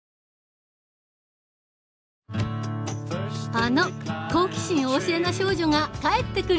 あの好奇心旺盛な少女が帰ってくる！